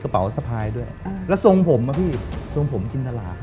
ซะสายเดียว